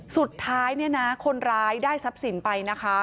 สุดท้ายเนี่ยนะคนร้ายได้ทรัพย์สินไปนะคะ